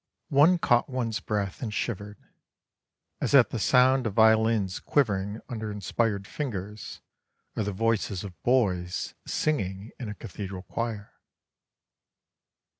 One caught one's breath and shivered, as at the sound of violins quivering under inspired fingers, or the voices of boys singing in a cathedral choir.